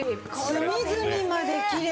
隅々まできれい！